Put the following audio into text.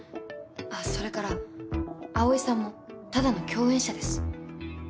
あっそれから葵さんもただの共演者です。